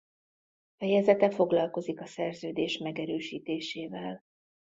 Fejezete foglalkozik a szerződés megerősítésével.